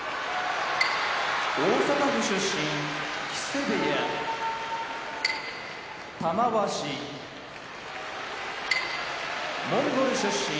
大阪府出身木瀬部屋玉鷲モンゴル出身